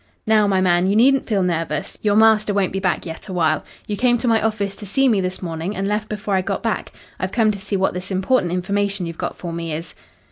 "Now, my man, you needn't feel nervous. Your master won't be back yet awhile. You came to my office to see me this morning, and left before I got back. I've come to see what this important information you've got for me is."